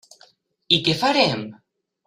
I què farem?